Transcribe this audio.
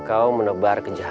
kau menyebabkan kejahatan